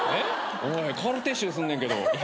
おいカルテ臭すんねんけど。